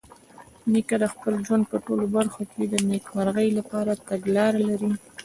نیکه د خپل ژوند په ټولو برخو کې د نیکمرغۍ لپاره تګلاره لري.